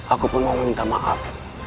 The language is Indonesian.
aku pun mau minta maaf